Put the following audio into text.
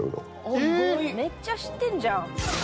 めっちゃ知ってんじゃん。